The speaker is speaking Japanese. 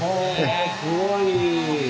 すごい。